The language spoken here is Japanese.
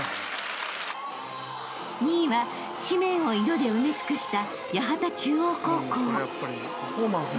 ［２位は紙面を色で埋め尽くした］